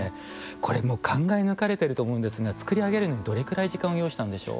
これも考え抜かれていると思うんですが作り上げるのにどれぐらい時間を要したのでしょう。